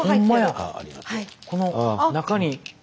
この中に。